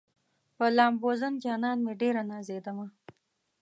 په لامبوزن جانان مې ډېره نازېدمه